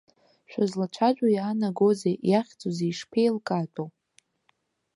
Шәызлацәажәо иаанагозеи, иахьӡузеи, ишԥеилкаатәу?!